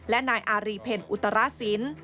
และนายอารีเพลอุตรสิน